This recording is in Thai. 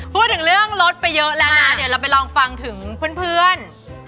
พูดถึงเรื่องรถไปเยอะแล้วนะเดี๋ยวเราไปลองฟังถึงเพื่อน